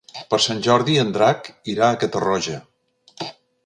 Per Sant Jordi en Drac irà a Catarroja.